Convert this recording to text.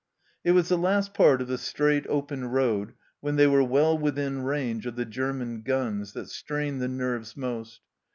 It was the last part of the straight, open road, when they were well within range of the German guns, that strained the nerves most.